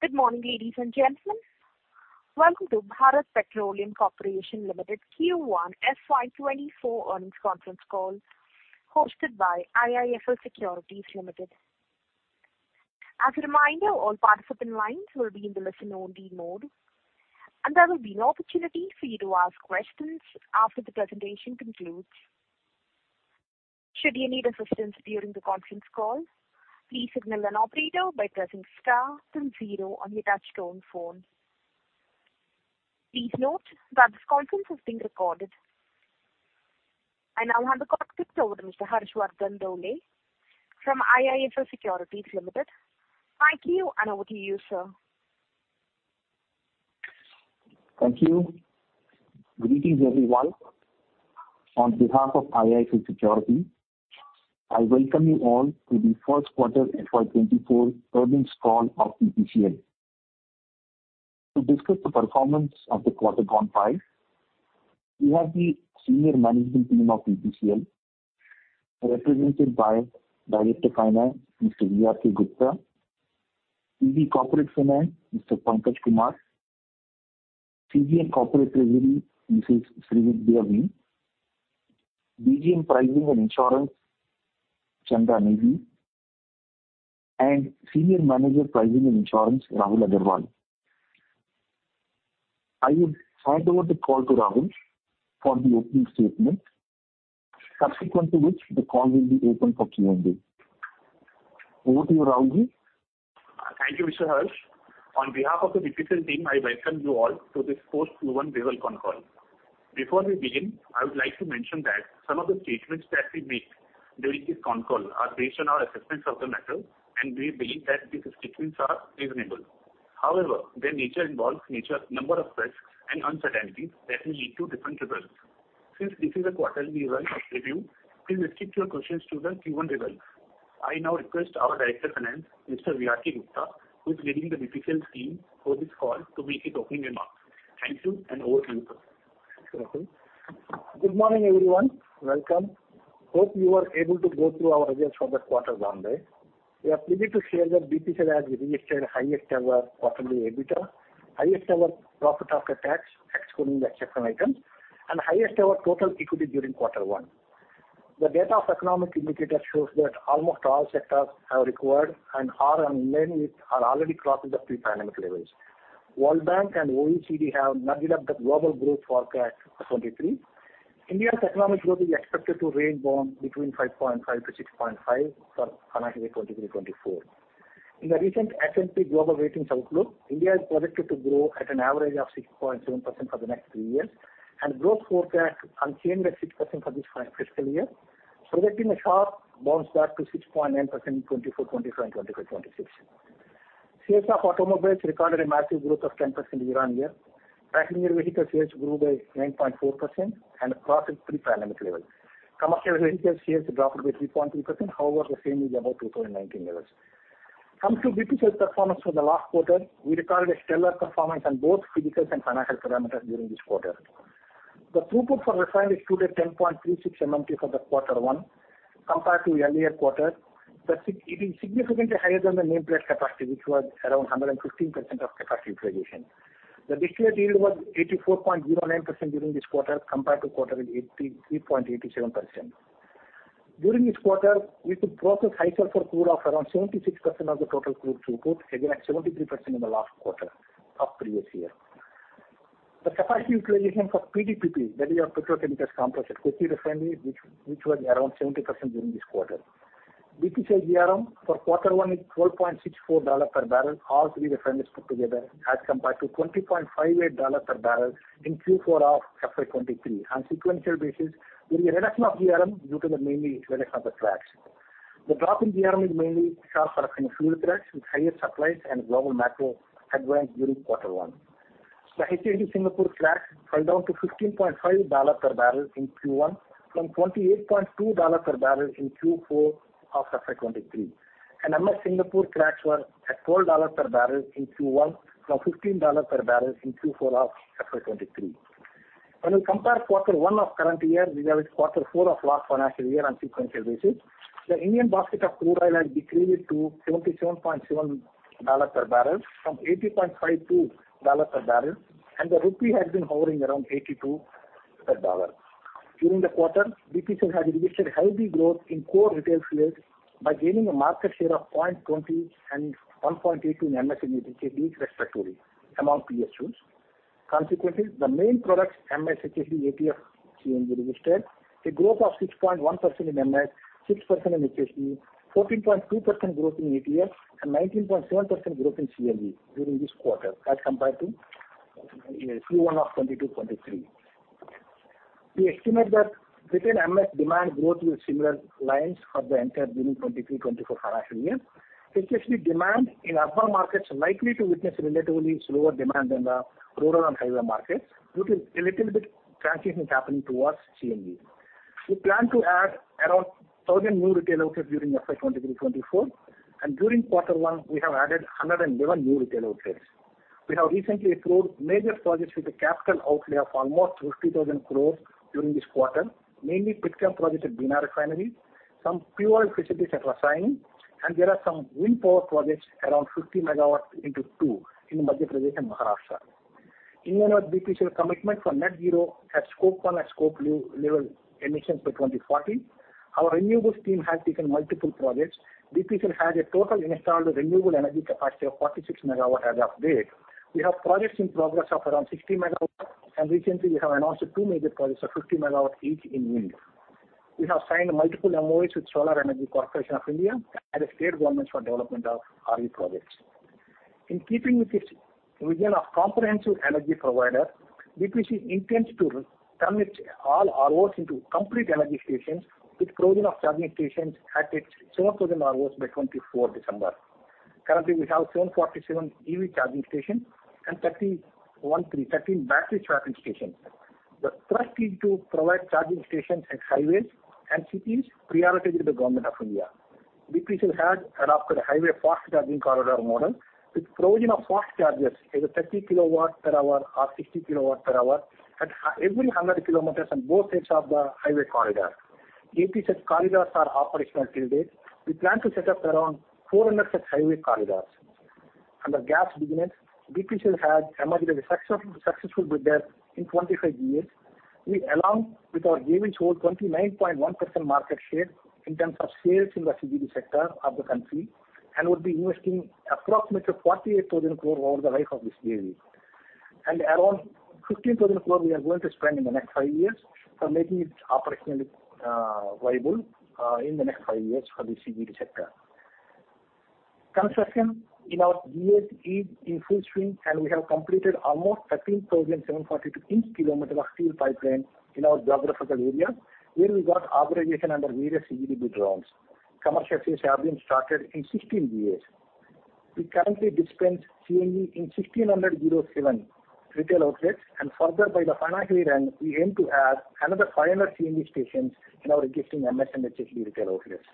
Good morning, ladies and gentlemen. Welcome to Bharat Petroleum Corporation Limited Q1 FY24 earnings conference call, hosted by IIFL Securities Limited. As a reminder, all participant lines will be in the listen-only mode, and there will be an opportunity for you to ask questions after the presentation concludes. Should you need assistance during the conference call, please signal an operator by pressing star then zero on your touch-tone phone. Please note that this conference is being recorded. I now hand the conference over to Mr. Harsh Vardhan Dhole from IIFL Securities Limited. Thank you, and over to you, sir. Thank you. Greetings, everyone. On behalf of IIFL Securities, I welcome you all to the first quarter FY 2024 earnings call of BPCL. To discuss the performance of the quarter gone by, we have the senior management team of BPCL, represented by Director Finance, Mr. V.R.K. Gupta; ED Corporate Finance, Mr. Pankaj Kumar; CGM Corporate Treasury, Mrs. Srividya V; DGM Pricing and Insurance, Chandan Nidhi; and Senior Manager Pricing and Insurance, Rahul Agarwal. I would hand over the call to Rahul for the opening statement, subsequent to which the call will be open for Q&A. Over to you, Rahulji. Thank you, Mr. Harsh. On behalf of the BPCL team, I welcome you all to this first Q1 Result Con Call. Before we begin, I would like to mention that some of the statements that we make during this con call are based on our assessments of the matter, and we believe that these statements are reasonable. However, their nature involves number of risks and uncertainties that may lead to different results. Since this is a quarterly result review, please restrict your questions to the Q1 results. I now request our Director Finance, Mr. V.R.K. Gupta, who is leading the BPCL team for this call, to make his opening remarks. Thank you, and over to you, sir. Good morning, everyone. Welcome. Hope you are able to go through our results for the quarter one day. We are pleased to share that BPCL has registered highest ever quarterly EBITDA, highest ever profit after tax, excluding the exception items, and highest ever total equity during quarter one. The data of economic indicator shows that almost all sectors have recovered and many are already crossing the pre-pandemic levels. World Bank and OECD have nudged up the global growth forecast for 2023. India's economic growth is expected to range on between 5.5%-6.5% for financial year 2023-2024. In the recent S&P Global Ratings outlook, India is projected to grow at an average of 6.7% for the next 3 years, and growth forecast unchanged at 6% for this fiscal year, projecting a sharp bounce back to 6.9% in 2024, 2025, and 2025, 2026. Sales of automobiles recorded a massive growth of 10% year on year. Passenger vehicle sales grew by 9.4% and crossed its pre-pandemic level. Commercial vehicle sales dropped by 3.3%. However, the same is above 2019 levels. Coming to BPCL's performance for the last quarter, we recorded a stellar performance on both physical and financial parameters during this quarter. The throughput for refinery stood at 10.36 MMT for the Q1. Compared to earlier quarter, it is significantly higher than the nameplate capacity, which was around 115% of capacity utilization. The distillate yield was 84.09% during this quarter, compared to quarter with 83.87%. During this quarter, we could process high sulfur crude of around 76% of the total crude throughput, again, at 73% in the last quarter of previous year. The capacity utilization for PDPP, that is our Petrochemicals Complex at Kochi Refinery, which was around 70% during this quarter. BPCL GRM for quarter one is $12.64 per barrel, all three refineries put together, as compared to $20.58 per barrel in Q4 of FY23. On sequential basis, there is a reduction of GRM due to the mainly reduction of the cracks. The drop in GRM is mainly sharp for kind of fuel cracks with higher supplies and global macro headwinds during Q1. The HKN Singapore cracks fell down to $15.5 per barrel in Q1, from $28.2 per barrel in Q4 of FY 2023. MS Singapore cracks were at $12 per barrel in Q1, from $15 per barrel in Q4 of FY 2023. When we compare Q1 of current year with Q4 of last financial year on sequential basis, the Indian basket of crude oil has decreased to $77.7 per barrel, from $80.52 per barrel. The rupee has been hovering around 82 per dollar. During the quarter, BPCL has registered healthy growth in core retail sales by gaining a market share of 0.20 and 1.8 in MS and HSD, respectively, among PSUs. Consequently, the main products, MS, HP, ATF, CNG, registered a growth of 6.1% in MS, 6% in HSD, 14.2% growth in ATF, and 19.7% growth in CNG during this quarter as compared to Q1 of 2022-2023. We estimate that between MS demand growth with similar lines for the entire during 2023-2024 financial year. HSD demand in urban markets are likely to witness relatively slower demand than the rural and highway markets, due to a little bit transition happening towards CNG. We plan to add around 1,000 new retail outlets during FY 2023-2024, and during quarter one, we have added 111 new retail outlets. We have recently approved major projects with a capital outlay of almost 50,000 crores during this quarter, mainly petchem projects at Bina Refinery, some pure facilities at Rasayani, and there are some wind power projects around 50MW into two in Madhya Pradesh and Maharashtra. In line with BPCL's commitment for net zero at Scope 1 and Scope 2 level emissions by 2040, our renewables team has taken multiple projects. BPCL has a total installed renewable energy capacity of 46MW as of date. We have projects in progress of around 60MW, and recently we have announced two major projects of 5MW each in wind. We have signed multiple MOUs with Solar Energy Corporation of India and the state governments for development of RE projects. In keeping with its vision of comprehensive energy provider, BPCL intends to turn its all ROs into complete energy stations, with provision of charging stations at its 7,000 ROs by 2024 December. Currently, we have 747 EV charging stations and 13 battery charging stations. The thrust is to provide charging stations at highways and cities priorities with the government of India. BPCL has adopted a highway fast charging corridor model, with provision of fast chargers either 30KW per hour or 60KW per hour, at every 100 kilometers on both sides of the highway corridor. 8 such corridors are operational till date. We plan to set up around 400 such highway corridors. The gas business, BPCL has emerged as a successful builder in 25 years. We, along with our JV, hold 29.1% market share in terms of sales in the CGD sector of the country, and will be investing approximately 48,000 crore over the life of this JV. Around 15,000 crore we are going to spend in the next five years, for making it operationally viable in the next five years for the CGD sector. Construction in our GA is in full swing, and we have completed almost 13,742 kilometers of steel pipeline in our geographical area, where we got aggregation under various CGD draws. Commercial sales have been started in 16 GAs. We currently dispense CNG in 1,607 retail outlets. Further by the financial year-end, we aim to add another 500 CNG stations in our existing MS and HSD retail outlets.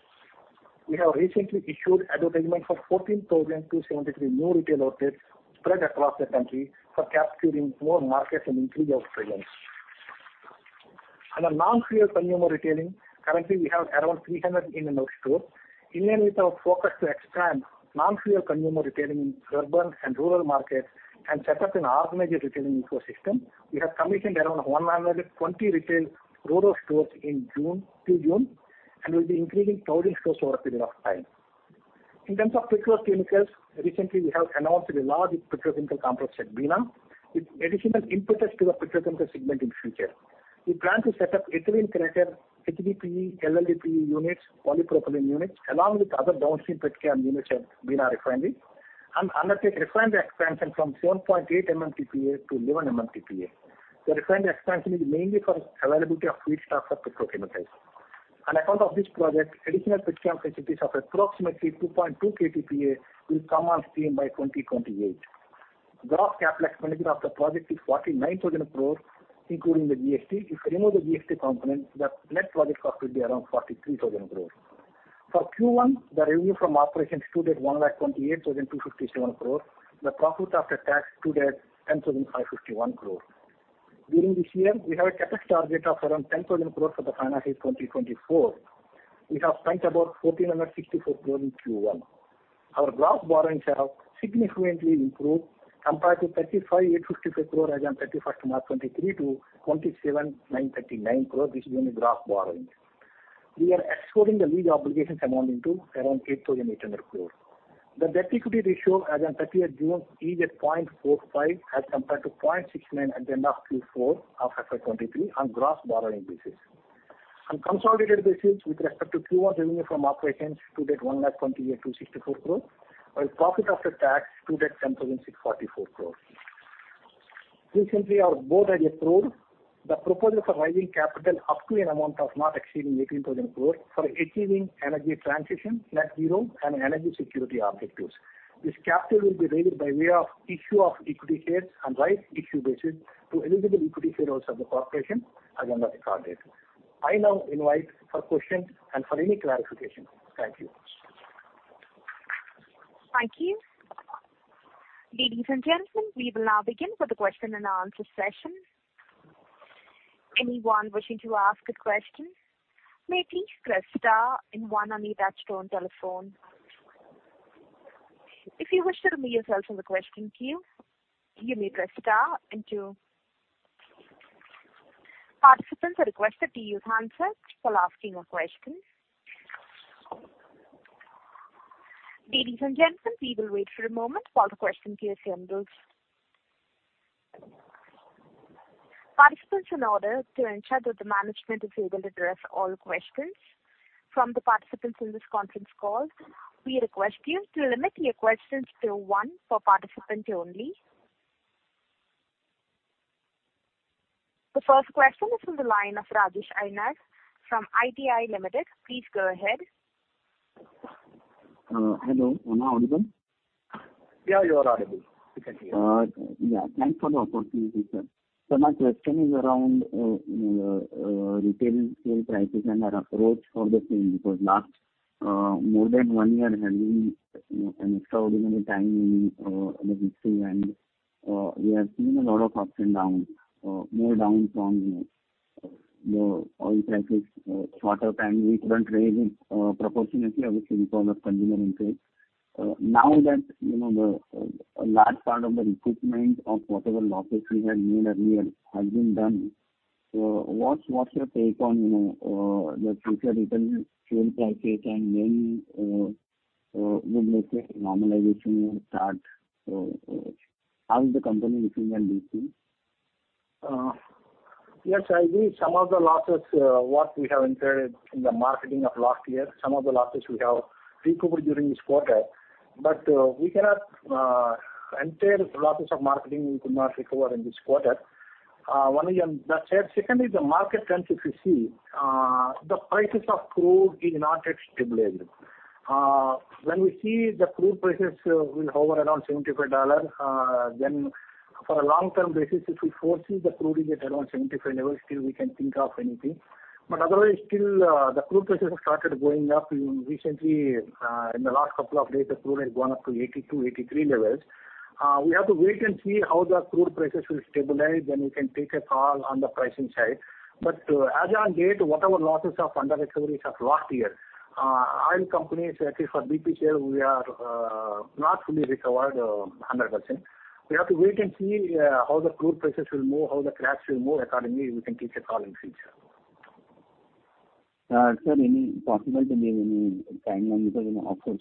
We have recently issued advertisement for 14,273 new retail outlets spread across the country, for capturing more markets and increase our presence. Under non-fuel consumer retailing, currently we have around 300 In & Out stores. In line with our focus to expand non-fuel consumer retailing in urban and rural markets, and set up an organized retailing ecosystem, we have commissioned around 120 retail rural stores in June till June, and will be increasing 1,000 stores over a period of time. In terms of petrochemicals, recently we have announced a large petrochemical complex at BINA, with additional impetus to the petrochemical segment in future. We plan to set up ethylene cracker, HDPE, LDPE units, polypropylene units, along with other downstream petchem units at BINA Refinery, and undertake refinery expansion from 7.8 MMTPA to 11 MMTPA. The refinery expansion is mainly for availability of feedstock for petrochemicals. On account of this project, additional petchem facilities of approximately 2.2 KTPA will come on stream by 2028. Gross capital expenditure of the project is 49,000 crore, including the GST. If you remove the GST component, the net project cost will be around 43,000 crore. For Q1, the revenue from operations stood at 1,28,257 crore. The profit after tax stood at 10,551 crore. During this year, we have a CapEx target of around 10,000 crore for the financial 2024. We have spent about 1,464 crore in Q1. Our gross borrowings have significantly improved compared to 35,855 crore as on 31st March 2023 to 27,939 crore. This is only gross borrowing. We are excluding the lease obligations amounting to around 8,800 crore. The debt-to-equity ratio as on 31st June is at 0.45, as compared to 0.69 at the end of Q4 of FY23 on gross borrowing basis. On consolidated basis, with respect to Q1 revenue from operations stood at 1,28,264 crore, while profit after tax stood at 10,644 crore. Recently, our board has approved the proposal for raising capital up to an amount of not exceeding 18,000 crore, for achieving energy transition, net zero, and energy security objectives. This capital will be raised by way of issue of equity shares on rights issue basis to eligible equity shareholders of the corporation as under the agreement. I now invite for questions and for any clarifications. Thank you. Thank you. Ladies and gentlemen, we will now begin with the question-and-answer session. Anyone wishing to ask a question, may please press star and one on your touch-tone telephone. If you wish to remove yourself from the question queue, you may press star and two. Participants are requested to use handset while asking a question. Ladies and gentlemen, we will wait for a moment while the question queue assembles. Participants, in order to ensure that the management is able to address all questions from the participants in this conference call, we request you to limit your questions to one per participant only. The first question is from the line of Rajesh Rai from ITI Limited. Please go ahead. Hello, am I audible? Yeah, you are audible. We can hear you. Yeah, thanks for the opportunity, sir. So my question is around retail sale prices and our approach for the same. Because more than 1 year has been an extraordinary time in the history, and we have seen a lot of ups and downs, more downs from, you know, the oil prices. Shorter time, we couldn't raise it proportionately, obviously, because of consumer increase. Now that, you know, a large part of the recoupment of whatever losses we had made earlier has been done, so what's your take on, you know, the future return fuel prices, and when you make a normalization start, how is the company looking at this thing? Yes, I agree. Some of the losses, what we have incurred in the marketing of last year, some of the losses we have recovered during this quarter. We cannot, entire losses of marketing we could not recover in this quarter. One is on the share. Secondly, the market trends, if you see, the prices of crude is not yet stabilized. When we see the crude prices will hover around $75, then for a long-term basis, if we foresee the crude is at around 75 level, still we can think of anything. Otherwise, still, the crude prices have started going up. Recently, in the last couple of days, the crude has gone up to $82-$83 levels. We have to wait and see how the crude prices will stabilize, then we can take a call on the pricing side. As on date, whatever losses of underrecoveries of last year, oil companies, at least for BPCL, we are not fully recovered, 100%. We have to wait and see how the crude prices will move, how the cracks will move. Accordingly, we can take a call in future. Sir, any possible to give any time on because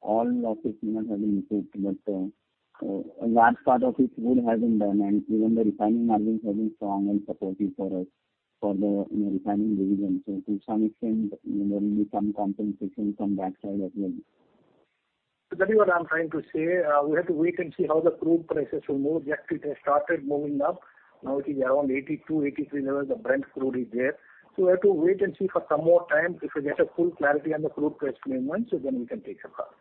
all losses may not have been improved, but a large part of it would have been done, and even the refining margins have been strong and supportive for us, for the, you know, refining division? To some extent, there will be some compensation from that side as well. That is what I'm trying to say. We have to wait and see how the crude prices will move. Just it has started moving up. Now, it is around 82, 83 levels, the Brent crude is there. We have to wait and see for some more time. If we get a full clarity on the crude price movement, then we can take a call.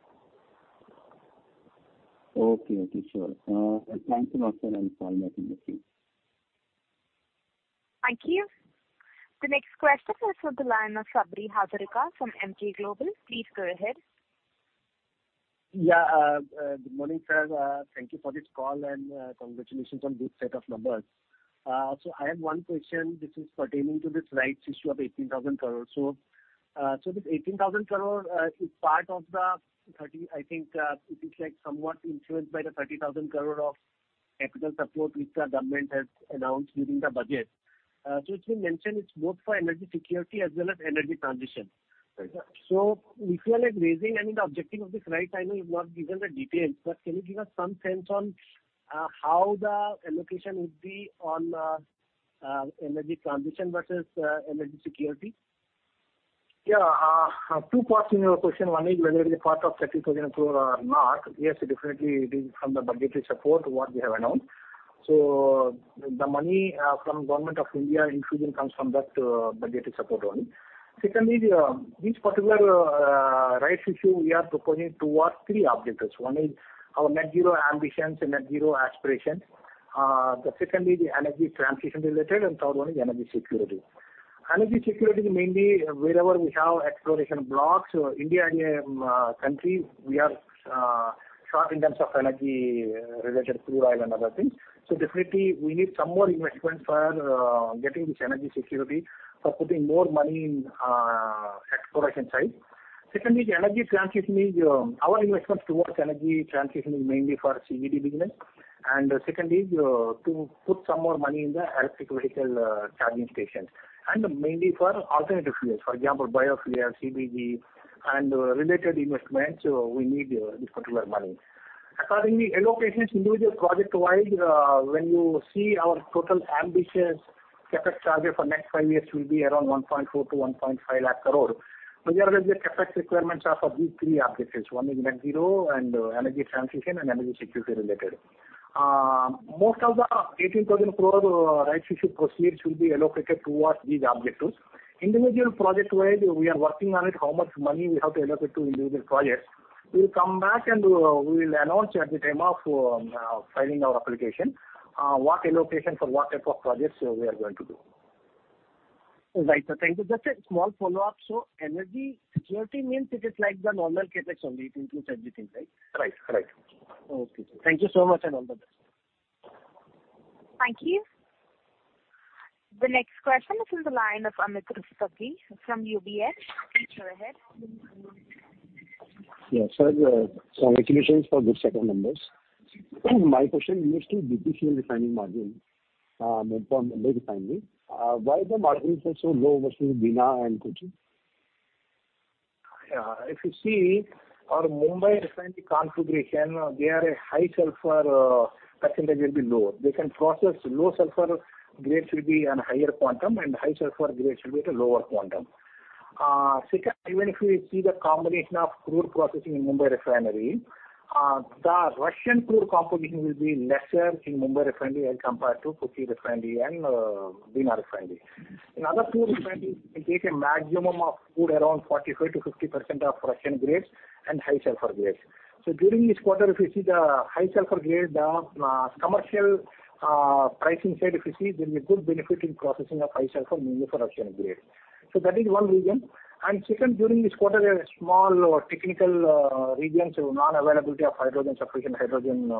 Okay. Okay, sure. Thanks a lot, sir. I'll follow up in the queue. Thank you. The next question is from the line of Sabri Hazarika from Emkay Global. Please go ahead. Yeah, good morning, sir. Thank you for this call, and congratulations on this set of numbers. I have one question, which is pertaining to this rights issue of 18,000 crore. This 18,000 crore is part of the thirty I think, it is, like, somewhat influenced by the 30,000 crore of capital support, which the government has announced during the budget. It's been mentioned, it's both for energy security as well as energy transition, right? If you are, like, raising... I mean, the objective of this right, I know, you've not given the details, but can you give us some sense on how the allocation would be on energy transition versus energy security? Yeah, two parts in your question. One is whether it is a part of 30,000 crore or not. Yes, definitely, it is from the budgetary support, what we have announced. The money from Government of India including comes from that budgetary support only. Secondly, this particular rights issue, we are proposing towards three objectives. One is our net zero ambitions and net zero aspirations. Secondly, the energy transition related, and third one is energy security. Energy security is mainly wherever we have exploration blocks. India is a country, we are short in terms of energy related crude oil and other things. Definitely we need some more investments for getting this energy security, for putting more money in exploration side. Secondly, the energy transition is our investments towards energy transition is mainly for CGD business. Secondly, to put some more money in the electric vehicle charging stations, and mainly for alternative fuels, for example, biofuel, CBG, and related investments, we need this particular money. According to allocations, individual project-wise, when you see our total ambitious CapEx target for next five years will be around 1.4 lakh crore-1.5 lakh crore. There will be CapEx requirements are for these three objectives. One is net zero, and energy transition, and energy security related. Most of the 18,000 crore rights issue proceeds will be allocated towards these objectives. Individual project-wise, we are working on it, how much money we have to allocate to individual projects. We'll come back, and we will announce at the time of filing our application, what allocation for what type of projects we are going to do. Right, sir. Thank you. Just a small follow-up. Energy security means it is like the normal CapEx only, it includes everything, right? Right. Right. Okay. Thank you so much. All the best. Thank you. The next question is in the line of Amit Rustagi from UBS. Please, go ahead. Yes, sir. Congratulations for good set of numbers. My question is to BPCL refining margin for Mumbai Refining. Why the margins are so low versus Bina and Kochi? If you see our Mumbai Refinery configuration, they are a high sulfur percentage will be lower. They can process low sulfur grades will be on a higher quantum, and high sulfur grades will be at a lower quantum. Second, even if you see the combination of crude processing in Mumbai Refinery, the Russian crude composition will be lesser in Mumbai Refinery as compared to Kochi Refinery and Bina Refinery. In other crude refineries, we take a maximum of crude around 45% to 50% of Russian grades and high sulfur grades. During this quarter, if you see the high sulfur grade, the commercial pricing side, if you see, there will be a good benefit in processing of high sulfur, mainly for Russian grade. That is one reason. Second, during this quarter, a small technical reasons, non-availability of hydrogen, sufficient hydrogen,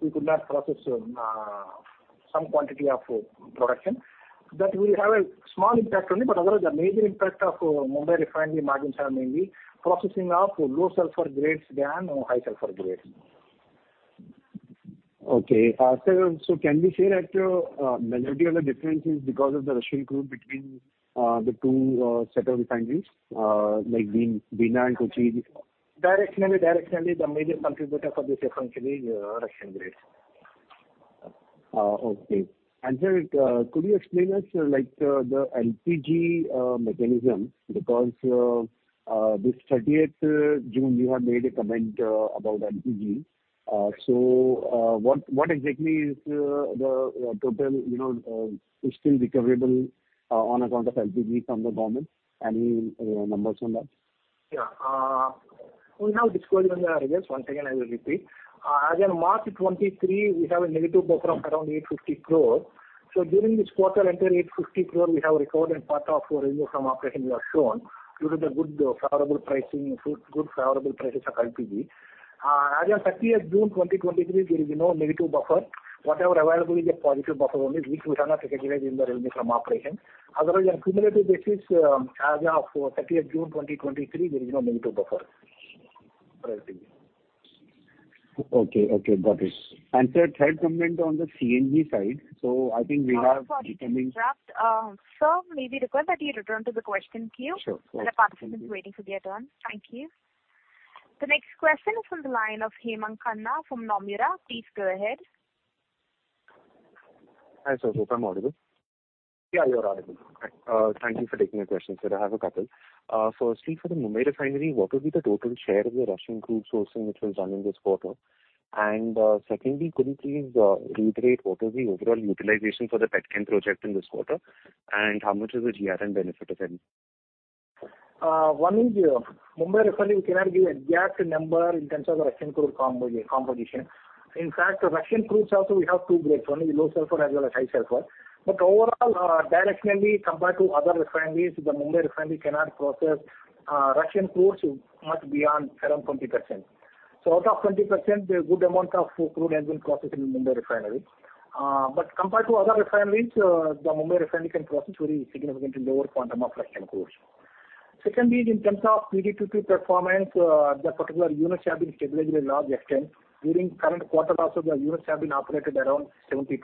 we could not process some quantity of production. That will have a small impact only, but otherwise the major impact of Mumbai Refinery margins are mainly processing of low sulfur grades than high sulfur grades. Okay. Can we say that majority of the difference is because of the Russian crude between the two set of refineries, like Vina and Kochi? Directionally, the major contributor for this difference is Russian grades. Okay. Sir, could you explain us, like, the LPG mechanism? This thirtieth June, you have made a comment about LPG. What exactly is the total, you know, still recoverable on account of LPG from the government? Any numbers on that? We have disclosed in the results. Once again, I will repeat. As on March 2023, we have a negative buffer of around 850 crores. During this quarter, entire 850 crore, we have recorded part of revenue from operations we have shown, due to the good favorable pricing, good favorable prices of LPG. As on June 30, 2023, there is no negative buffer. Whatever available is a positive buffer only, which we have not recognized in the revenue from operation. On cumulative basis, as of June 30, 2023, there is no negative buffer for LPG. Okay, okay, got it. sir, third comment on the CNG side. Sir, sorry to interrupt. sir, may we request that you return to the question queue? Sure. There are participants waiting for their turn. Thank you. The next question is from the line of Hemang Khanna from Nomura. Please go ahead. Hi, sir, hope I'm audible. Yeah, you are audible. Okay. Thank you for taking my question, sir. I have a couple. Firstly, for the Mumbai Refinery, what will be the total share of the Russian crude sourcing, which was done in this quarter? Secondly, could you please reiterate what is the overall utilization for the Petchem project in this quarter, and how much is the GRM benefit of them? One is, Mumbai Refinery, we cannot give an exact number in terms of the Russian crude composition. In fact, Russian crudes also, we have two grades, one is low sulfur as well as high sulfur. Overall, directionally, compared to other refineries, the Mumbai Refinery cannot process Russian crudes much beyond around 20%. Out of 20%, a good amount of crude has been processed in Mumbai Refinery. Compared to other refineries, the Mumbai Refinery can process a significantly lower quantitythe of Russian crudes. Secondly, in terms of PDPP performance, the particular units have been stabilized to a large extent. During current quarter also, the units have been operated around 70%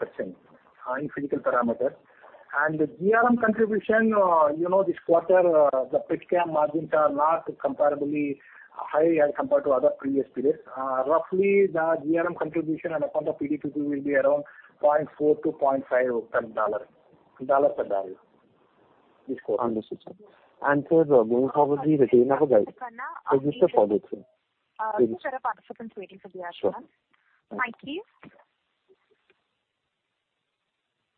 in physical parameter. The GRM contribution this quarter, the Petchem margins are not comparably high as compared to other previous periods. roughly, the GRM contribution on account ofPDPP will be around $0.4-$0.5 per dollar per barrel this quarter. Understood, sir. Sir, going forward, we will never drive. Sir, there are participants waiting for their turn. Thank you.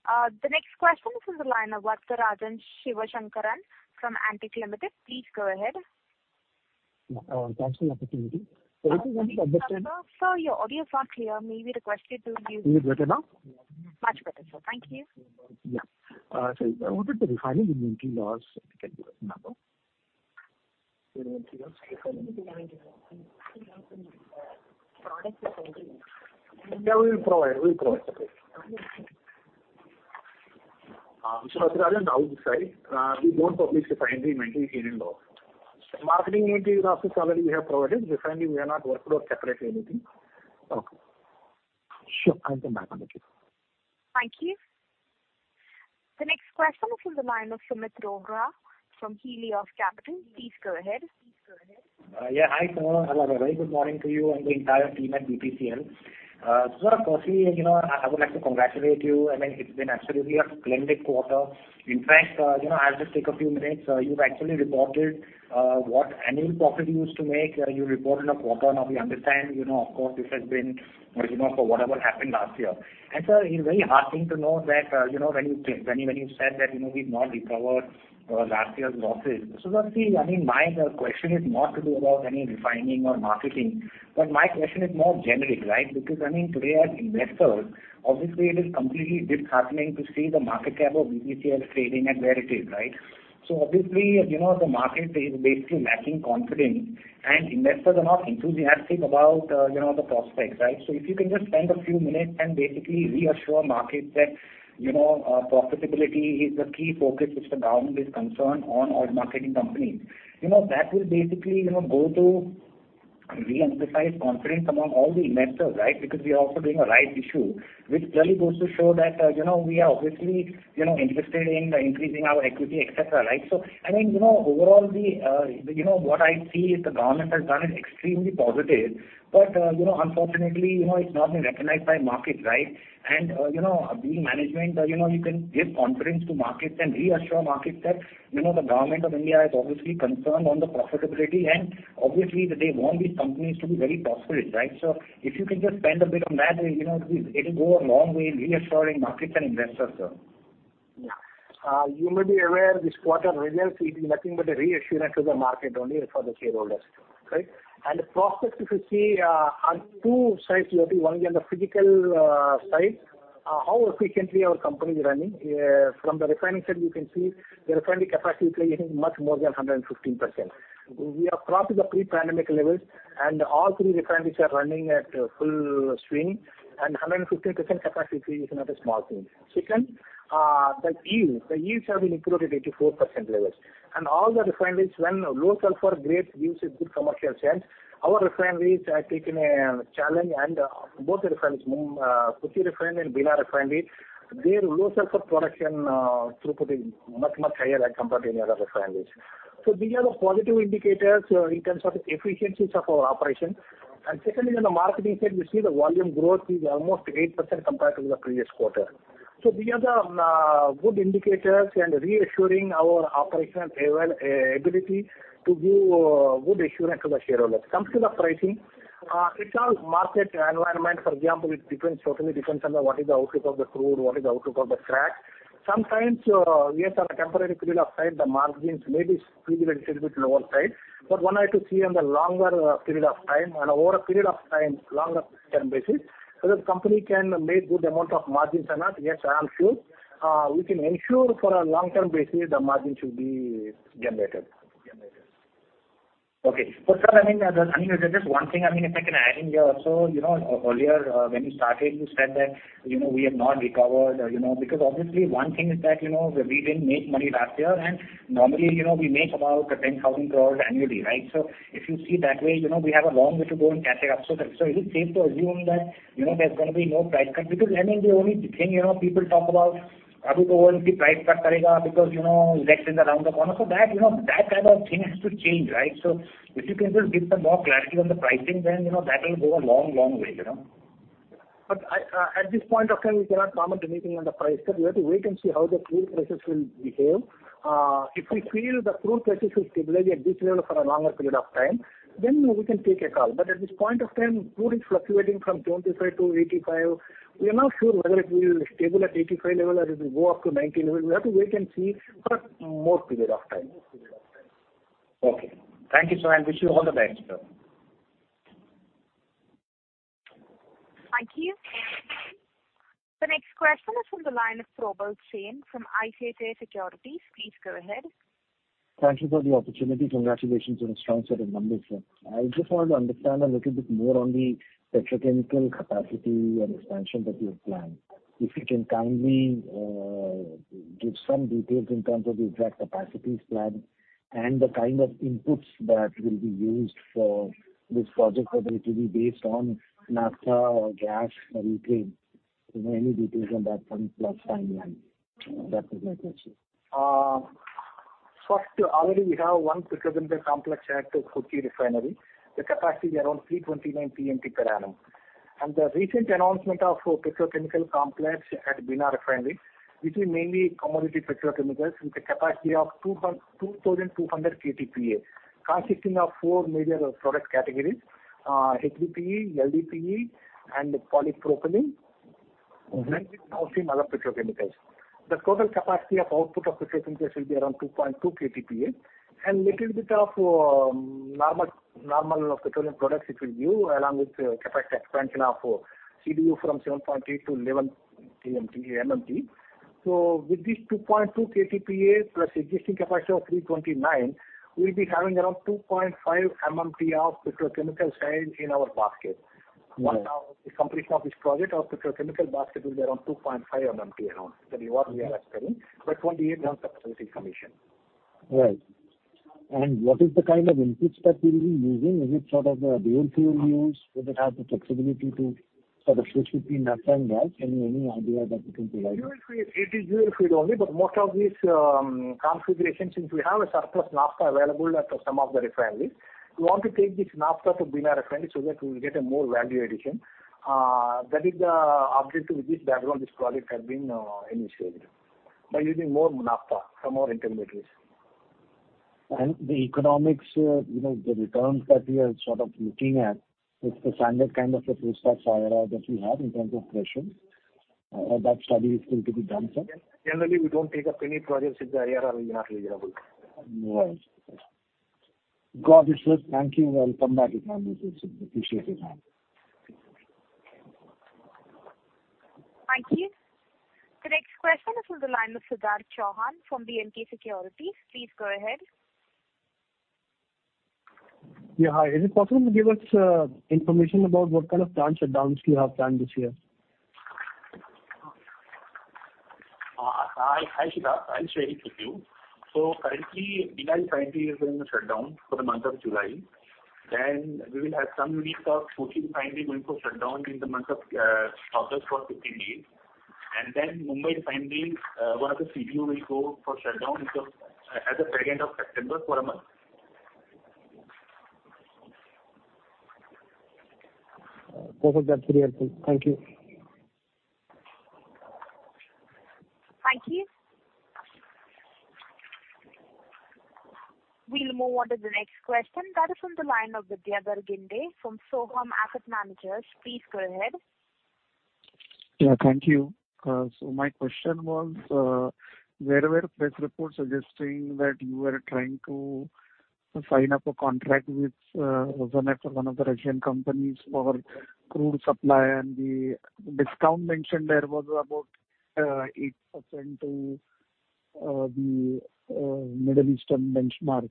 The next question is from the line of Varatharajan Sivasankaran from Antique Limited. Please go ahead. Thanks for the opportunity. Sir, your audio is not clear. Is it better now? Much better, sir. Thank you. Yeah. I wanted the refinery inventory loss, if you can give us the number? We will provide. Vatharaajan, now this side, we don't publish refinery inventory In & Out. Marketing inventory, last time already we have provided. Refinery, we are not working on separate anything. Okay. Sure, I'll come back on it. Thank you. The next question is from the line of Sumit Rohra from SmartSun Capital. Please go ahead. Yeah. Hi, sir. A very good morning to you and the entire team at BPCL. Firstly, you know, I would like to congratulate you. I mean, it's been absolutely a splendid quarter. In fact, you know, I'll just take a few minutes. You've actually reported what annual profit you used to make, you reported a quarter. Now, we understand, you know, of course, this has been, you know, for whatever happened last year. Sir, it's very heartening to know that, you know, when you said that, you know, we've not recovered last year's losses. Sir, see, I mean, my question is not to do about any refining or marketing, but my question is more generic, right? I mean, today as investors, obviously it is completely disheartening to see the market cap of BPCL trading at where it is, right? Obviously, you know, the market is basically lacking confidence, and investors are not enthusiastic about, you know, the prospects, right? If you can just spend a few minutes and basically reassure markets that, you know, profitability is the key focus which the government is concerned on oil marketing companies. You know, that will basically, you know, go to re-emphasize confidence among all the investors, right? We are also doing a right issue, which clearly goes to show that, you know, we are obviously, you know, interested in increasing our equity, et cetera, right. I mean, you know, overall, the, you know, what I see is the government has done is extremely positive, but, you know, unfortunately, you know, it's not been recognized by market, right? You know, being management, you know, you can give confidence to markets and reassure markets that, you know, the government of India is obviously concerned on the profitability, and obviously, they want these companies to be very profitable, right? If you can just spend a bit on that, you know, it will go a long way in reassuring markets and investors, sir. You may be aware, this quarter results is nothing but a reassurance to the market only for the shareholders, right? The prospects, if you see, on two sides, one, on the physical side, how efficiently our company is running. From the refining side, you can see the refining capacity utilizing much more than 115%. We have crossed the pre-pandemic levels, and all three refineries are running at full swing, and 115% capacity is not a small thing. Second, the yields. The yields have been improved at 84% levels. All the refineries, when low sulfur grade gives a good commercial sense, our refineries have taken a challenge, and both the refineries, Kochi Refinery and Bina Refinery, their low sulfur production throughput is much, much higher than compared to any other refineries. These are the positive indicators in terms of efficiencies of our operation. Secondly, on the marketing side, we see the volume growth is almost 8% compared to the previous quarter. These are the good indicators and reassuring our operational ability to give good assurance to the shareholders. Comes to the pricing, it's all market environment. For example, it depends, certainly depends on what is the outlook of the crude, what is the outlook of the crack. Sometimes, yes, on a temporary period of time, the margins may be still a little bit lower side. One has to see on the longer period of time, and over a period of time, longer term basis, whether the company can make good amount of margins or not. Yes, I am sure. We can ensure for a long-term basis, the margin should be generated. Okay. Sir, I mean, I mean, just one thing, I mean, if I can add in here also, you know, earlier, when you started, you said that, you know, we have not recovered, you know, because obviously one thing is that, you know, we didn't make money last year, and normally, you know, we make about 10,000 crores annually, right? If you see that way, you know, we have a long way to go in catching up. Is it safe to assume that, you know, there's gonna be no price cut? I mean, the only thing, you know, people talk about, Abu price cut, because, you know, elections around the corner. That, you know, that kind of thing has to change, right? If you can just give some more clarity on the pricing, then, you know, that will go a long, long way, you know. At this point of time, we cannot comment anything on the price, because we have to wait and see how the crude prices will behave. If we feel the crude prices will stabilize at this level for a longer period of time, then we can take a call. At this point of time, crude is fluctuating from 25 to 85. We are not sure whether it will stable at 85 level or it will go up to 90 level. We have to wait and see for more period of time. Okay. Thank you, sir, and wish you all the best, sir. Thank you. The next question is from the line of Prabhat Singh from ICICI Securities. Please go ahead. Thank you for the opportunity. Congratulations on a strong set of numbers, sir. I just want to understand a little bit more on the petrochemical capacity and expansion that you have planned. If you can kindly give some details in terms of the exact capacities planned and the kind of inputs that will be used for this project, whether it will be based on naphtha or gas or ethane. Any details on that front, plus timeline? That is my question. First, already we have one petrochemical complex at Kochi Refinery. The capacity is around 329 MMT per annum. The recent announcement of a petrochemical complex at Bina Refinery, which is mainly commodity petrochemicals, with a capacity of 2,200 KTPA, consisting of 4 major product categories: HDPE, LDPE, and polypropylene, and then we have seen other petrochemicals. The total capacity of output of petrochemicals will be around 2.2 KTPA, and little bit of normal petroleum products it will give, along with capacity expansion of CDU from 7.8 to 11 MMT. With this 2.2 KTPA plus existing capacity of 329, we'll be having around 2.5 MMT of petrochemical sales in our basket. Okay. The completion of this project, our petrochemical basket will be around 2.5 MMT around. That is what we are expecting, by 2028 once it is in commission. Right. What is the kind of inputs that we will be using? Is it sort of a dual fuel use? Would it have the flexibility to sort of switch between naphtha and gas? Any, any idea that you can provide? Dual feed. It is dual feed only, most of these configurations, since we have a surplus naphtha available at some of the refineries, we want to take this naphtha to Bina Refinery so that we will get a more value addition. That is the objective with which background this project has been initiated, by using more naphtha for more intermediaries. The economics, you know, the returns that we are sort of looking at, is the standard kind of a threshold for IRR that we have in terms of threshold, or that study is still to be done, sir? Generally, we don't take up any projects if the IRR is not reasonable. Right. Got it, sir. Thank you, and come back again. Appreciate your time. Thank you. The next question is from the line of Siddharth Chauhan from DNK Securities. Please go ahead. Yeah, hi. Is it possible to give us information about what kind of plant shutdowns you have planned this year? Hi, hi, Siddharth. I'll share it with you. Currently, Bina Refinery is going to shut down for the month of July. We will have some weeks of Kochi Refinery going for shutdown in the month of August for 15 days. Mumbai Refinery, one of the CDU will go for shutdown at the end of September for a month. Perfect. That's really helpful. Thank you. Thank you. We'll move on to the next question. That is from the line of Vidyadhar Ginde from Soham Asset Managers. Please go ahead. Yeah, thank you. My question was, there were press reports suggesting that you were trying to sign up a contract with one of the Russian companies for crude supply, and the discount mentioned there was about 8% to the Middle Eastern benchmark.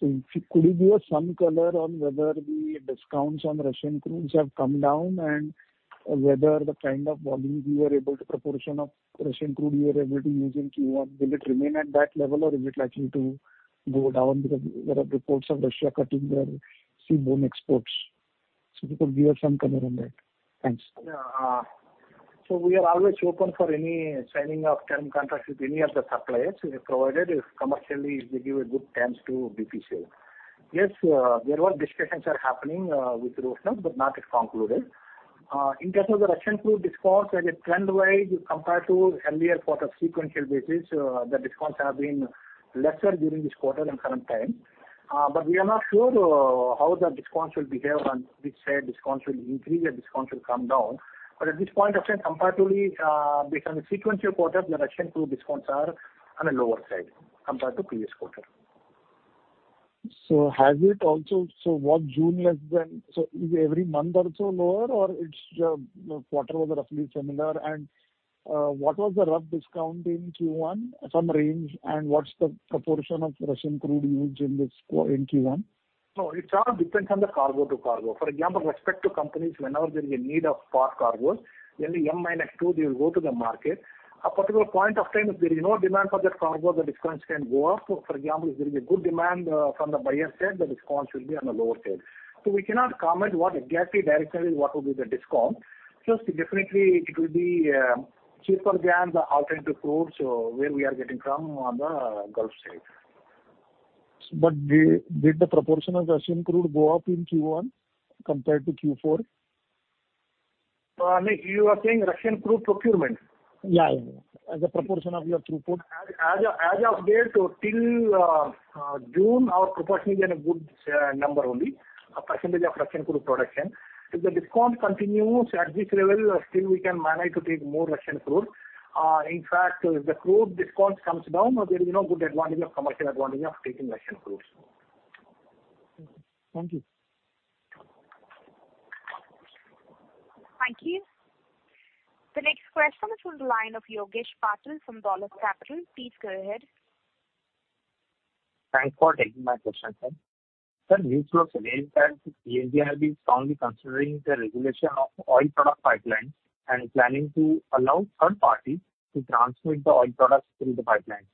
Could you give us some color on whether the discounts on Russian crudes have come down, and whether the kind of volume, proportion of Russian crude you are able to use in Q1, will it remain at that level, or is it likely to go down? Because there are reports of Russia cutting their seaborne exports. If you could give some color on that. Thanks. Yeah. We are always open for any signing of term contracts with any of the suppliers, provided if commercially they give a good chance to BPCL. Yes, discussions are happening with Rosneft, but not yet concluded. In terms of the Russian crude discounts, as a trend-wise, compared to earlier quarter sequential basis, the discounts have been lesser during this quarter than current time. We are not sure how the discounts will behave, and which side discounts will increase and discounts will come down. At this point of time, comparatively, based on the sequential quarter, the Russian crude discounts are on a lower side compared to previous quarter. Is every month also lower, or its quarter was roughly similar? What was the rough discount in Q1, some range, and what's the proportion of Russian crude used in this quarter, in Q1? No, it all depends on the cargo to cargo. For example, respect to companies, whenever there is a need of spot cargoes, then the M-2, they will go to the market. A particular point of time, if there is no demand for that cargo, the discounts can go up. For example, if there is a good demand, from the buyer side, the discounts will be on the lower side. We cannot comment what exactly, directly, what will be the discount. Just definitely it will be cheaper than the alternative crude, so where we are getting from on the Gulf side. Did the proportion of Russian crude go up in Q1 compared to Q4? Nick, you are saying Russian crude procurement? Yeah, yeah. As a proportion of your throughput. As of date, till June, our proportion is in a good number only, a percentage of Russian crude production. If the discount continues at this level, still we can manage to take more Russian crude. In fact, if the crude discount comes down, there is no good commercial advantage of taking Russian crude. Thank you. Thank you. The next question is from the line of Yogesh Patil from Dolat Capital Market. Please go ahead. Thanks for taking my question, sir. Sir, news from saying that PNGRB has been strongly considering the regulation of oil product pipelines and planning to allow third parties to transmit the oil products through the pipelines.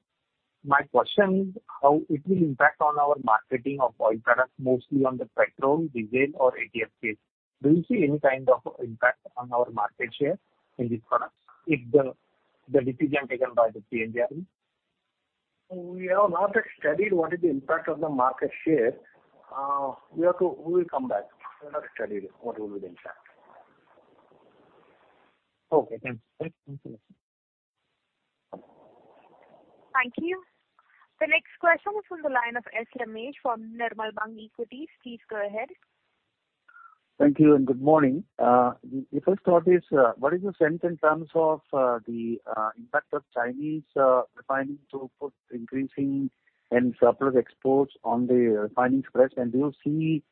My question is, how it will impact on our marketing of oil products, mostly on the petrol, diesel or ATF case? Do you see any kind of impact on our market share in these products if the decision taken by the PNGRB? We have not studied what is the impact of the market share. We will come back. We have not studied what will be the impact. Okay, thanks. Thank you. Thank you. The next question is from the line of S Ramesh from Nirmal Bang Equity. Please go ahead. Thank you and good morning. The first thought is, what is your sense in terms of the impact of Chinese refining throughput increasing and surplus exports on the refining spreads? Do you see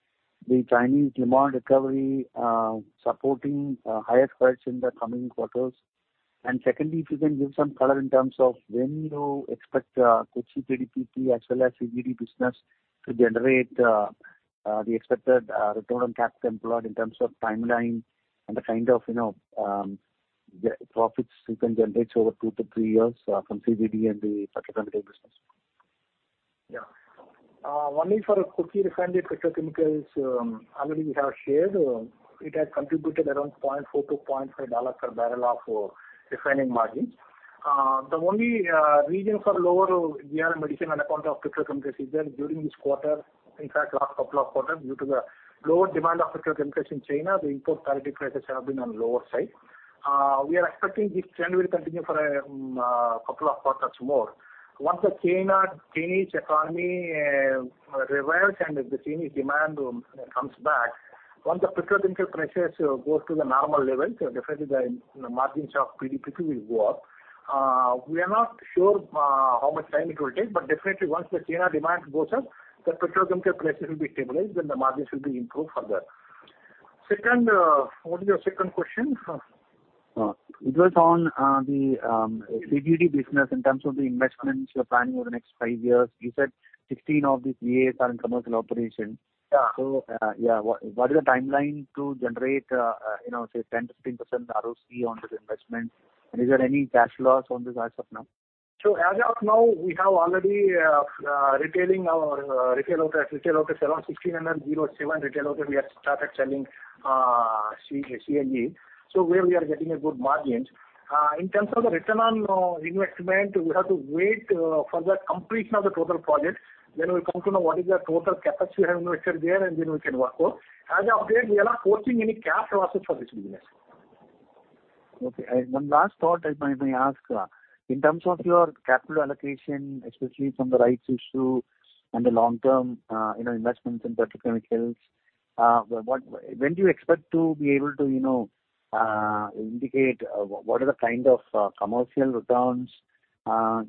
the Chinese demand recovery supporting higher spreads in the coming quarters? Secondly, if you can give some color in terms of when you expect Kochi PDPP as well as CGD business to generate the expected return on capital employed in terms of timeline and the kind of, you know, profits you can generate over two to three years from CGD and the petrochemical business. Only for Kochi Refinery Petrochemicals, already we have shared, it has contributed around $0.4-$0.5 per barrel of refining margins. The only reason for lower year-on-year margin on account of petrochemicals is that during this quarter, in fact, last couple of quarters, due to the lower demand of petrochemicals in China, the import parity prices have been on the lower side. We are expecting this trend will continue for a couple of quarters more. Once the China, Chinese economy revives and the Chinese demand comes back, once the petrochemical prices go to the normal levels, definitely the margins of PDPP will go up. We are not sure how much time it will take, but definitely once the China demand goes up, the petrochemical prices will be stabilized, then the margins will be improved further. Second, what is your second question? It was on the CGD business in terms of the investments you're planning over the next 5 years. You said 16 of these VAs are in commercial operation. Yeah, what is the timeline to generate, you know, say, 10%-15% ROC on this investment? Is there any cash flows on this as of now? As of now, we have already retailing our retail outlets. Retail outlets, around 1,607 retail outlets, we have started selling CNG. Where we are getting a good margins. In terms of the return on investment, we have to wait for the completion of the total project. We come to know what is the total capacity we have invested there, and then we can work out. As of date, we are not facing any cash losses for this business. Okay. One last thought I may ask in terms of your capital allocation, especially from the rights issue and the long term, you know, investments in petrochemicals, what, when do you expect to be able to, you know, indicate what are the kind of commercial returns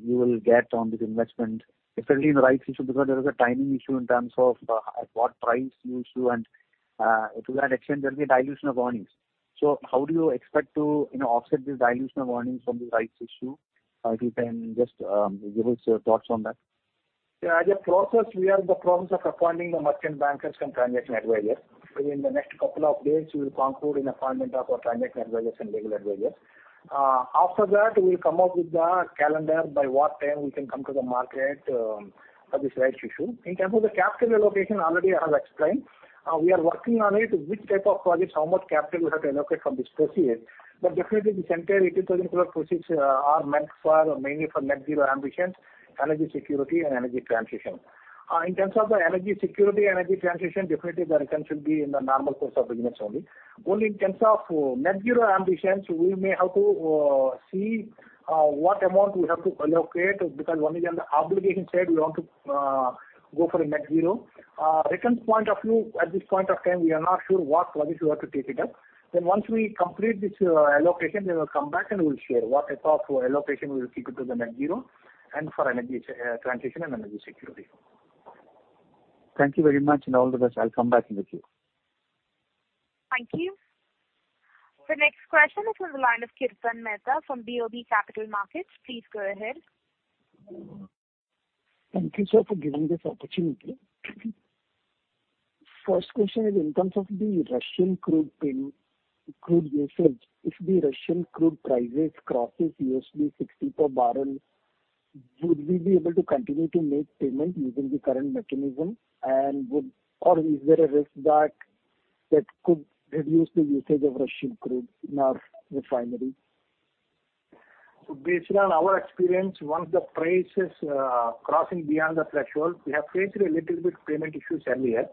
you will get on this investment, especially in the rights issue? Because there is a timing issue in terms of at what price you issue, and to that extent, there will be a dilution of earnings. How do you expect to, you know, offset this dilution of earnings from the rights issue? If you can just give us your thoughts on that. As a process, we have the process of appointing the merchant bankers and transaction advisors. Within the next couple of days, we will conclude in appointment of our transaction advisors and legal advisors. After that, we will come up with the calendar, by what time we can come to the market for this rights issue. In terms of the capital allocation, already I have explained. We are working on it, which type of projects, how much capital we have to allocate from this proceeds. Definitely, this entire 80,000 crore proceeds are meant for, mainly for net zero ambitions, energy security and energy transition. In terms of the energy security and energy transition, definitely the return should be in the normal course of business only. Only in terms of net zero ambitions, we may have to see what amount we have to allocate, because only on the obligation side, we want to go for a net zero. Returns point of view, at this point of time, we are not sure what projects we have to take it up. Once we complete this allocation, we'll come back and we'll share what type of allocation we will keep it to the net zero and for energy transition and energy security. Thank you very much, and all the best. I'll come back with you. Thank you. The next question is from the line of Kirtan Mehta from BOB Capital Markets. Please go ahead. Thank you, sir, for giving this opportunity. First question is in terms of the Russian crude payment, crude usage. If the Russian crude prices crosses $60 per barrel, would we be able to continue to make payment using the current mechanism, Or is there a risk that could reduce the usage of Russian crude in our refineries? Based on our experience, once the price is crossing beyond the threshold, we have faced a little bit payment issues earlier.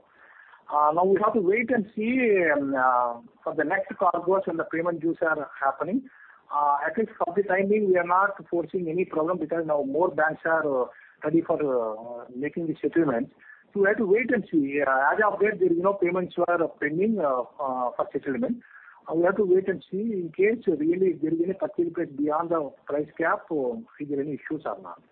Now we have to wait and see for the next cargoes when the payment dues are happening. At least for the time being, we are not foreseeing any problem because now more banks are ready for making the settlements. We have to wait and see. As I update, there are no payments were pending for settlement. We have to wait and see in case really there is any participate beyond the price cap, or if there are any issues or not.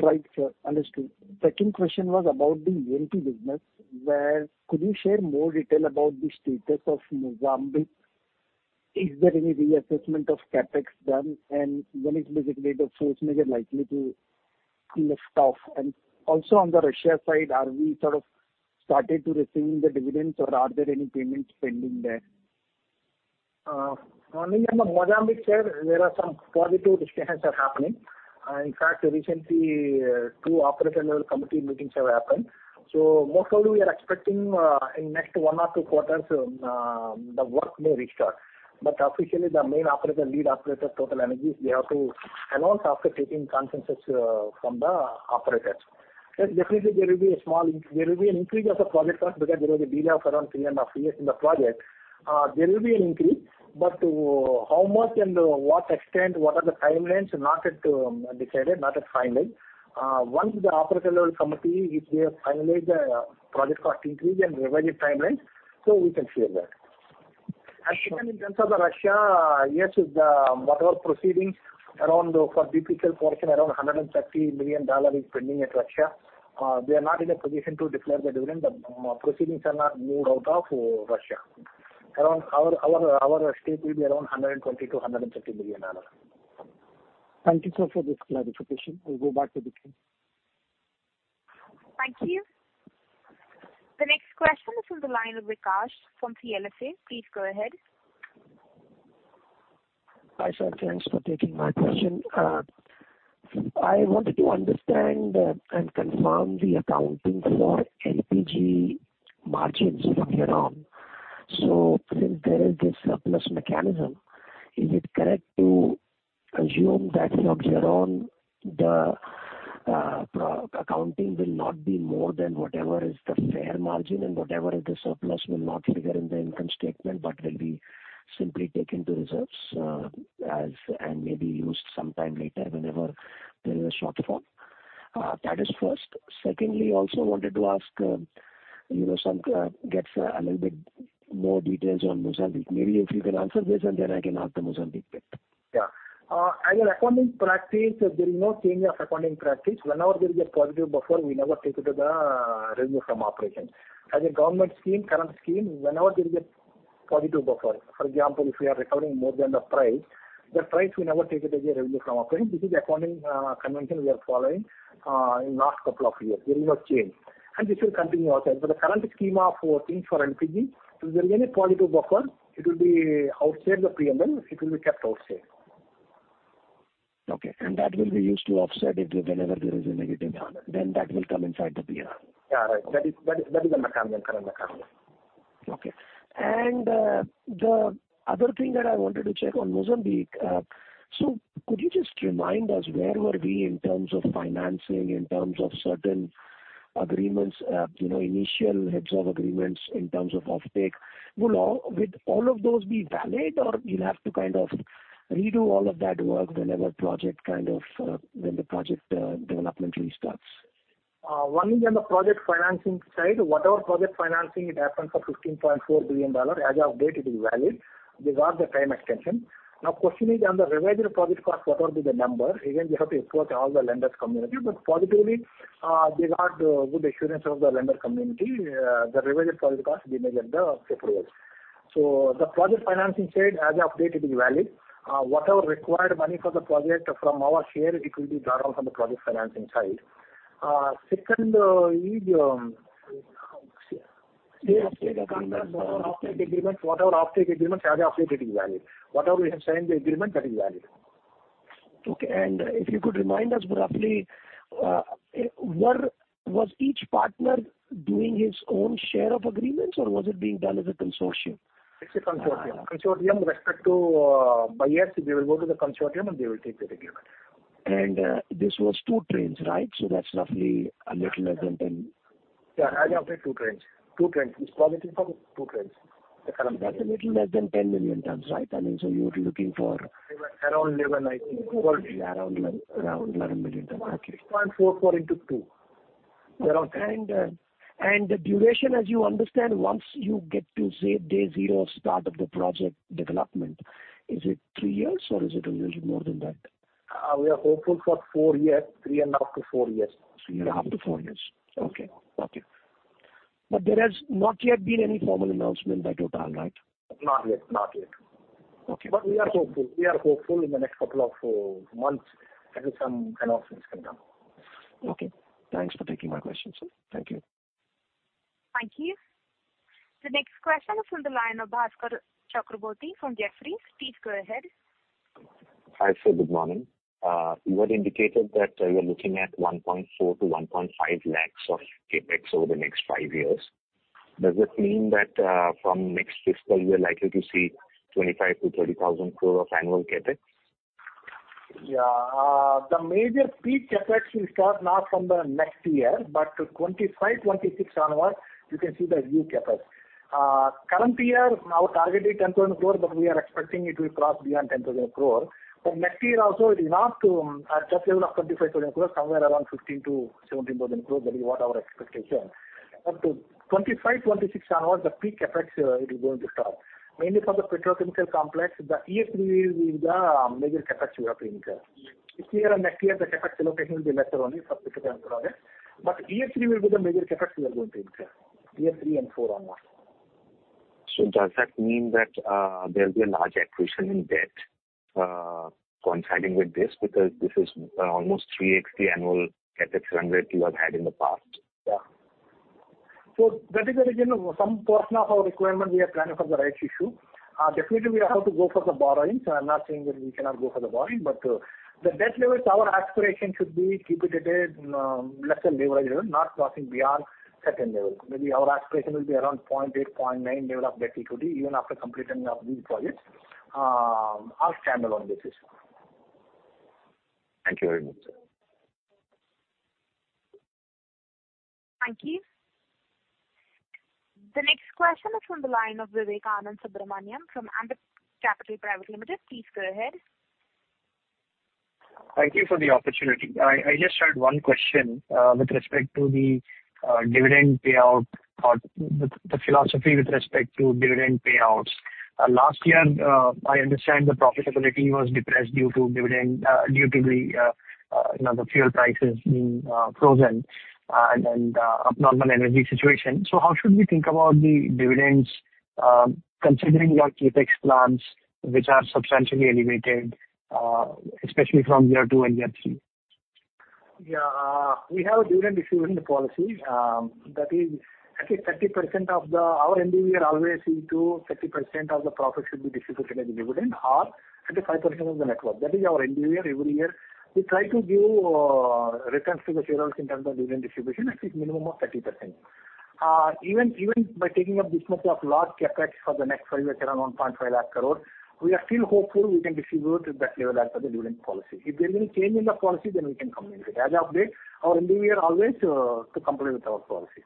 Right, sir. Understood. Second question was about the LNG business, where could you share more detail about the status of Mozambique? Is there any reassessment of CapEx done, and when is the state of force majeure likely to lift off? Also, on the Russia side, are we sort of started to receiving the dividends or are there any payments pending there? On the Mozambique side, there are some positive discussions are happening. In fact, recently, two operator level committee meetings have happened. Most probably we are expecting, in next one or two quarters, the work may restart. Officially, the main operator, lead operator, TotalEnergies, they have to announce after taking consensus from the operators. Definitely there will be a small there will be an increase of the project cost because there was a delay of around three and a half years in the project. There will be an increase, but to how much and what extent, what are the timelines, not yet decided, not yet finalized. Once the operator level committee, if they have finalized the project cost increase and revised the timelines, we can share that. Even in terms of the Russia, yes, with the whatever proceedings around for BPCL portion, $130 million is pending at Russia. We are not in a position to declare the dividend. The proceedings are not moved out of Russia. Our stake will be around $120 million-$130 million. Thank you, sir, for this clarification. I'll go back to the queue. Thank you. The next question is from the line of Vikash from CLSA. Please go ahead. Hi, sir. Thanks for taking my question. I wanted to understand and confirm the accounting for LPG margins from here on. Since there is this surplus mechanism, is it correct to assume that from here on, the accounting will not be more than whatever is the fair margin, and whatever is the surplus will not figure in the income statement, but will be simply taken to reserves as and maybe used sometime later whenever there is a shortfall? That is first. Secondly, also wanted to ask, you know, some gets a little bit more details on Mozambique. Maybe if you can answer this, and then I can ask the Mozambique bit. Yeah. As an accounting practice, there is no change of accounting practice. Whenever there is a positive buffer, we never take it to the revenue from operations. As a government scheme, current scheme, whenever there is a positive buffer, for example, if we are recovering more than the price, we never take it as a revenue from operations. This is accounting convention we are following in last couple of years. There is no change. This will continue outside. The current scheme of working for LPG, if there is any positive buffer, it will be outside the PNL, it will be kept outside. Okay, that will be used to offset it whenever there is a negative one, then that will come inside the PR. Yeah, right. That is the mechanism, current mechanism. Okay. The other thing that I wanted to check on Mozambique, could you just remind us, where were we in terms of financing, in terms of certain agreements, you know, initial heads of agreements in terms of offtake? Will all of those be valid, or you'll have to kind of redo all of that work whenever project kind of, when the project developmentally starts? One is on the project financing side. Whatever project financing it happens for $15.4 billion, as of date, it is valid. They got the time extension. Question is on the revised project cost, what would be the number? We have to approach all the lenders community, but positively, they got good assurance of the lender community. The revised project cost, we may get the approvals. The project financing side, as of date, it is valid. Whatever required money for the project from our share, it will be brought on from the project financing side. Second is, offtake agreement. Whatever offtake agreement, as of date, it is valid. Whatever we have signed the agreement, that is valid. Okay. If you could remind us roughly, was each partner doing his own share of agreements, or was it being done as a consortium? It's a consortium. Consortium with respect to buyers, they will go to the consortium, and they will take the agreement. This was 2 trains, right? That's roughly a little less than 10. Yeah, as of date, 2 trains. 2 trains. It's positive for 2 trains, the current year. That's a little less than 10 million tons, right? I mean, you're looking for- Around 11, I think. Around 11 million tons. Okay. 0.44 into 2. Around 10. And the duration, as you understand, once you get to, say, day zero, start of the project development, is it 3 years, or is it a little more than that? We are hopeful for four years, three and a half to four years. Three and a half to four years. Yes. Okay. Okay. There has not yet been any formal announcement by Total, right? Not yet. Not yet. Okay. We are hopeful. We are hopeful in the next couple of months, maybe some announcements can come. Okay. Thanks for taking my questions, sir. Thank you. Thank you. The next question is from the line of Bhaskar Chakraborty from Jefferies. Please go ahead. Hi, sir. Good morning. You had indicated that you are looking at 1.4 lakh-1.5 lakh of CapEx over the next five years. Does it mean that, from next fiscal, you are likely to see 25,000 crore-30,000 crore of annual CapEx? Yeah. The major peak CapEx will start not from the next year, 2025, 2026 onward, you can see the new CapEx. Current year, our target is 10,000 crore, we are expecting it will cross beyond 10,000 crore. Next year also, it is not to just level of 25,000 crore, somewhere around 15,000-17,000 crore. That is what our expectation. Up to 2025, 2026 onward, the peak CapEx, it is going to start. Mainly for the petrochemical complex, the Year 3 will be the major CapEx we have to incur. This year and next year, the CapEx allocation will be lesser only for project approval. Year 3 will be the major CapEx we are going to incur, Year 3 and 4 onward. Does that mean that, there will be a large accretion in debt, coinciding with this? Because this is almost 3x the annual CapEx run rate you have had in the past. That is the reason, some portion of our requirement, we are planning for the rights issue. Definitely, we have to go for the borrowings. I'm not saying that we cannot go for the borrowing, but the debt levels, our aspiration should be keep it at a lesser leverage level, not crossing beyond certain level. Maybe our aspiration will be around 0.8, 0.9 level of debt equity, even after completing of these projects, our standalone basis. Thank you very much, sir. Thank you. The next question is from the line of Vivek Anand Subramanian from Ambit Capital Private Limited. Please go ahead. Thank you for the opportunity. I just had one question, with respect to the dividend payout or the philosophy with respect to dividend payouts. Last year, I understand the profitability was depressed due to dividend due to the fuel prices being frozen and abnormal energy situation. How should we think about the dividends, considering your CapEx plans, which are substantially elevated, especially from year two and year three? Yeah, we have a dividend distribution policy. Our endeavor always is to 30% of the profit should be distributed as a dividend or 35% of the net worth. That is our endeavor every year. We try to give returns to the shareholders in terms of dividend distribution, at least minimum of 30%. Even by taking up this much of large CapEx for the next 5 years, around 1.5 lakh crore, we are still hopeful we can distribute at that level as per the dividend policy. If there will be change in the policy, we can communicate. As of date, our endeavor always to comply with our policy.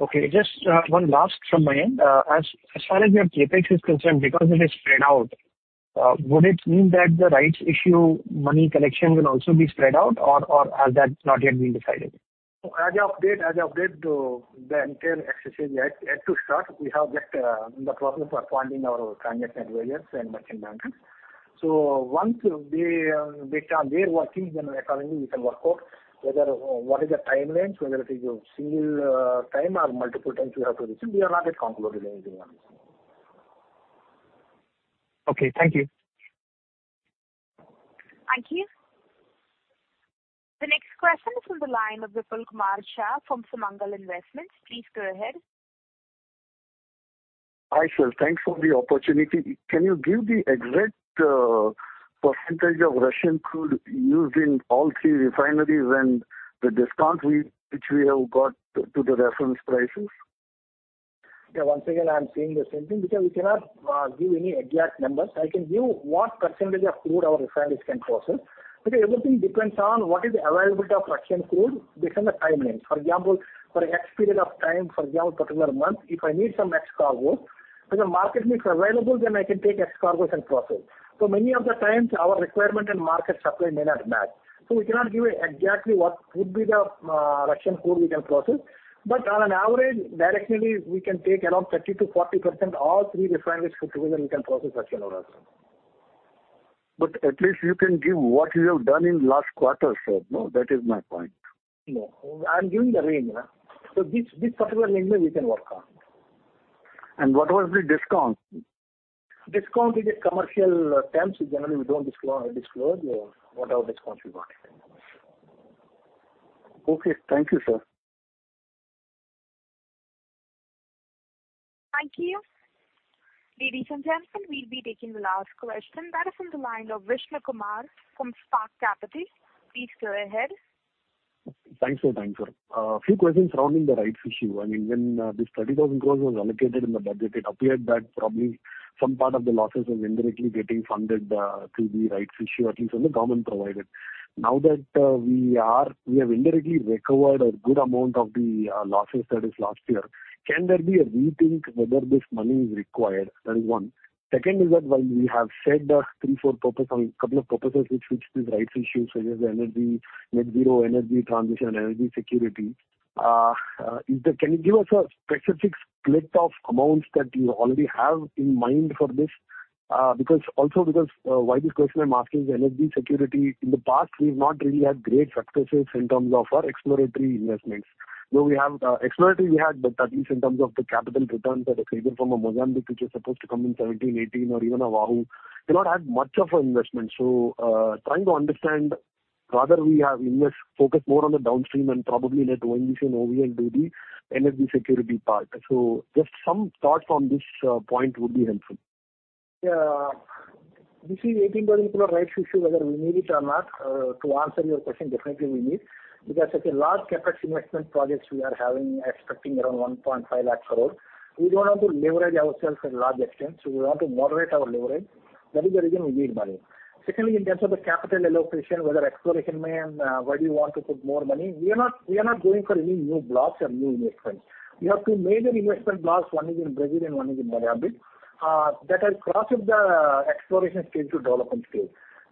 Okay, just one last from my end. As far as your CapEx is concerned, because it is spread out, would it mean that the rights issue, money collection will also be spread out, or has that not yet been decided? As of date, the entire exercise is yet to start. We have just in the process of appointing our transaction advisors and merchant bankers. Once they start their working, accordingly, we can work out whether, what is the timelines, whether it is a single time or multiple times we have to receive. We have not yet concluded anything on this. Okay, thank you. Thank you. The next question is from the line of Vipin Kumar Shah from Samangal Investments. Please go ahead. Hi, sir. Thanks for the opportunity. Can you give the exact % of Russian crude used in all 3 refineries and the discount which we have got to the reference prices? Yeah, once again, I'm saying the same thing, because we cannot give any exact numbers. I can give what percentage of crude our refineries can process. Because everything depends on what is the availability of Russian crude within the timeline. For example, for X period of time, for example, particular month, if I need some X cargo, if the market is available, then I can take X cargo and process. Many of the times, our requirement and market supply may not match, so we cannot give you exactly what would be the Russian crude we can process. On an average, directionally, we can take around 30%-40%, all three refineries put together, we can process Russian oil. At least you can give what you have done in last quarter, sir. No? That is my point. No, I'm giving the range. This particular range we can work on. What was the discount? Discount is a commercial term. Generally, we don't disclose what our discount we got. Okay, thank you, sir. Thank you. Ladies and gentlemen, we'll be taking the last question. That is from the line of Vishnu Kumar from Spark Capital. Please go ahead. Thanks for the answer. A few questions surrounding the rights issue. I mean, when this 30,000 crore was allocated in the budget, it appeared that probably some part of the losses was indirectly getting funded through the rights issue, at least when the government provided. Now that we have indirectly recovered a good amount of the losses that is last year, can there be a rethink whether this money is required? That is one. Second, is that while we have said the three, four purpose on couple of purposes, which this rights issue, such as energy, net zero, energy transition, and energy security, can you give us a specific split of amounts that you already have in mind for this? Because also because why this question I'm asking is energy security. In the past, we've not really had great successes in terms of our exploratory investments. Though we have exploratory we had, but at least in terms of the capital returns that are created from a Mozambique, which is supposed to come in 2017, 2018, or even a Wahoo, we not had much of an investment. Trying to understand, rather, we have focus more on the downstream and probably let ONGC and OVL do the energy security part. Just some thoughts on this point would be helpful. Yeah. This is INR 18 billion rights issue, whether we need it or not, to answer your question, definitely we need, because such a large CapEx investment projects we are having, expecting around 1.5 lakh crore. We don't want to leverage ourselves in large extent, so we want to moderate our leverage. That is the reason we need money. Secondly, in terms of the capital allocation, whether exploration and where do you want to put more money, we are not going for any new blocks or new investments. We have two major investment blocks, one is in Brazil and one is in Mozambique, that has crossed the exploration stage to development stage.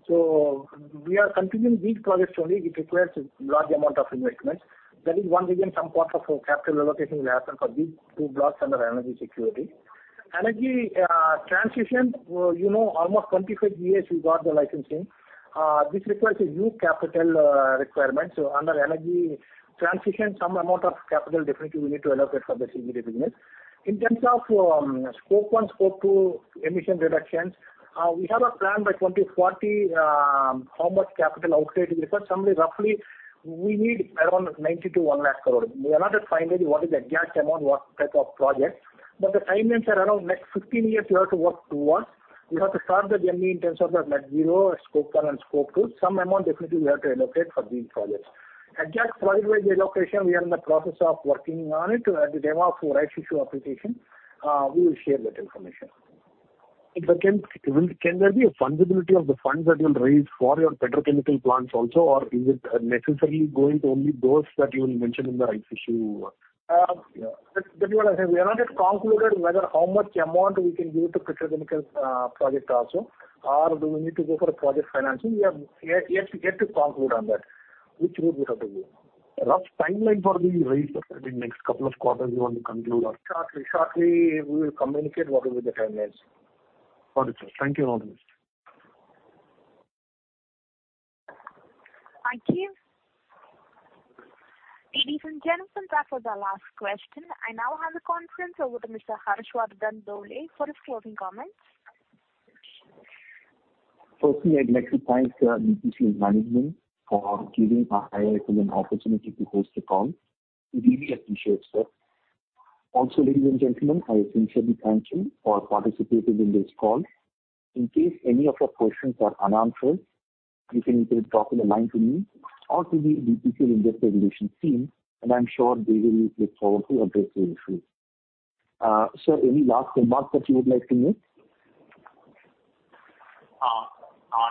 So we are continuing these projects only. It requires a large amount of investment. That is one reason some part of capital allocation will happen for these two blocks under energy security. Energy transition, you know, almost 25 years we got the licensing. This requires a new capital requirement. Under energy transition, some amount of capital definitely we need to allocate for this business. In terms of Scope 1, Scope 2 emission reductions, we have a plan by 2040, how much capital outlay is required. Somebody roughly, we need around 90-1 lakh crore. We are not just finally what is the exact amount, what type of project, but the timelines are around next 15 years, we have to work towards. We have to start the journey in terms of the net zero, Scope 1, and Scope 2. Some amount definitely we have to allocate for these projects. Exact project-wise allocation, we are in the process of working on it. At the time of rights issue application, we will share that information. Can there be a fungibility of the funds that you will raise for your petrochemical plants also, or is it necessarily going to only those that you will mention in the rights issue? That is what I said. We have not yet concluded whether how much amount we can give to petrochemical project also, or do we need to go for a project financing. We have yet to conclude on that, which route we have to go. Rough timeline for the raise in the next couple of quarters you want to conclude on? Shortly, we will communicate what will be the timelines. Got it, sir. Thank you very much. Thank you. Ladies and gentlemen, that was our last question. I now have the conference over to Mr. Harshad Dandole for his closing comments. Firstly, I'd like to thank BPCL management for giving IIFL an opportunity to host the call. We really appreciate, sir. Ladies and gentlemen, I sincerely thank you for participating in this call. In case any of your questions are unanswered, you can either drop in a line to me or to the BPCL investor relations team, and I'm sure they will look forward to address your issue. Sir, any last remarks that you would like to make?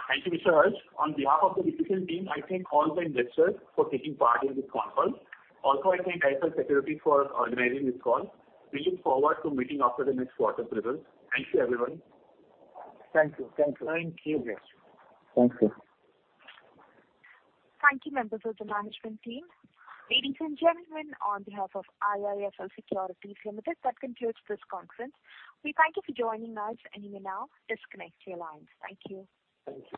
Thank you, Mr. Harshad. On behalf of the BPCL team, I thank all the investors for taking part in this conference. I thank IIFL Securities for organizing this call. We look forward to meeting after the next quarter results. Thank you, everyone. Thank you. Thank you. Thank you. Thank you. Thank you, members of the management team. Ladies and gentlemen, on behalf of IIFL Securities Limited, that concludes this conference. We thank you for joining us, and you may now disconnect your lines. Thank you. Thank you.